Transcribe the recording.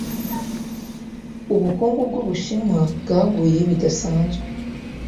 Ubukungu bw’Ubushinwa bwaguye bidasanzwe,